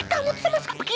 kamu semua suka begini